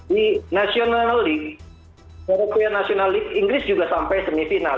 di national league inggris juga sampai semifinal